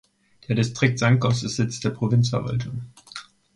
Der Distrikt Sancos ist Sitz der Provinzverwaltung.